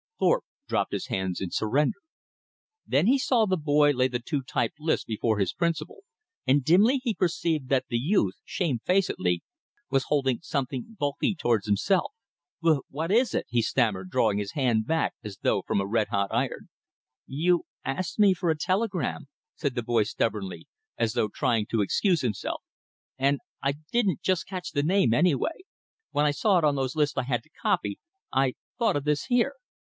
Thorpe dropped his hands in surrender. Then he saw the boy lay the two typed lists before his principal, and dimly he perceived that the youth, shamefacedly, was holding something bulky toward himself. "Wh what is it?" he stammered, drawing his hand back as though from a red hot iron. "You asked me for a telegram," said the boy stubbornly, as though trying to excuse himself, "and I didn't just catch the name, anyway. When I saw it on those lists I had to copy, I thought of this here."